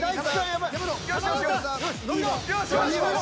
やばい。